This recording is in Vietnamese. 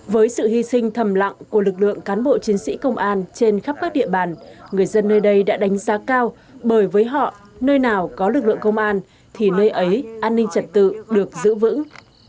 với sự hy sinh thầm lặng của lực lượng cán bộ chiến sĩ công an trên khắp các địa bàn người dân nơi đây đã đánh giá cao bởi với họ nơi nào có lực lượng công an thì nơi ấy an ninh trật tự được giữ vững